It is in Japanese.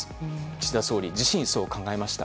岸田総理自身はそう考えました。